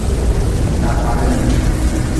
Dakpalim.